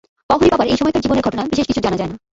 পওহারী বাবার এই সময়কার জীবনের ঘটনা বিশেষ কিছু জানা যায় না।